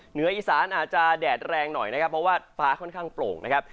เหนืออีสานอาจจะแดดแรงหน่อยนะครับเพราะว่าฟ้าค่อนข้างโปร่งนะครับ